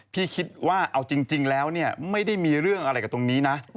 พี่คิดว่าเอาจริงแล้วเนี่ยไม่ได้มีเรื่องอะไรกับตรงนี้นะ